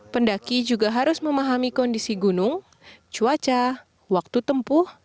pendaki juga harus memahami kondisi gunung cuaca waktu tempuh